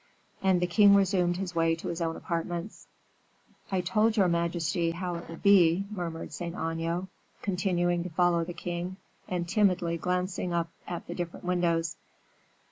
And the king resumed his way to his own apartments. "I told your majesty how it would be," murmured Saint Aignan, continuing to follow the king, and timidly glancing up at the different windows.